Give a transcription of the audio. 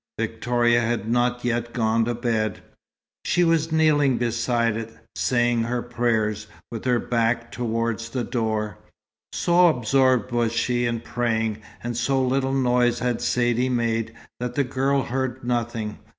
Victoria had not yet gone to bed. She was kneeling beside it, saying her prayers, with her back towards the door. So absorbed was she in praying, and so little noise had Saidee made, that the girl heard nothing.